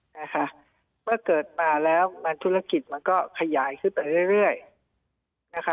นะคะเมื่อเกิดมาแล้วมันธุรกิจมันก็ขยายขึ้นไปเรื่อยนะคะ